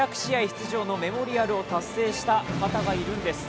出場のメモリアルを達成した方がいるんです。